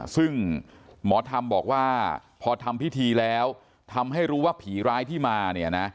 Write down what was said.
ซึ่งหมอธรรมบอกว่าพอทำพิธีแล้วทำให้รู้ว่าผีร้ายที่มาเนี่ยนะ